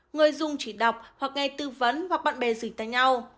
người dùng chỉ đọc hoặc nghe tư vấn hoặc bạn bè dỉ tay nhau